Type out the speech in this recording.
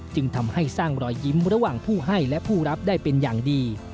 จึงทำให้สร้างรอยยิ้มระหว่างผู้ให้และผู้รับได้เป็นอย่างดี